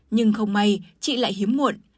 nhưng không may chị lại hiếm muộn